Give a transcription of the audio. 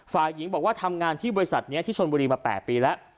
ฝ่ายหญิงบอกว่าทำงานที่บริษัทนี้ที่ชนบุรีมา๘ปีแล้ว